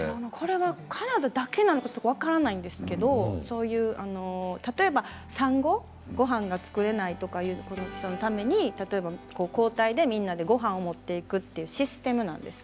カナダだけかどうか分からないですけれど産後にごはんが作れないという人のために交代でみんながごはんを持っていくシステムです。